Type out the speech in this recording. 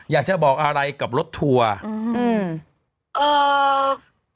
อยากจะบอกอะไรกับรถทัวร์